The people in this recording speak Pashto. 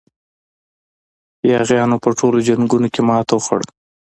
یاغیانو په ټولو جنګونو کې ماته وخوړه.